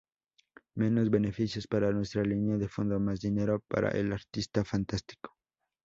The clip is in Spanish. Menos beneficios para nuestra línea de fondo, más dinero para el artista; fantástico.